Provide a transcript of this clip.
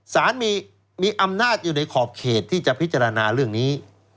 สารมีอำนาจอยู่ในขอบเขตที่จะพิจารณาเรื่องนี้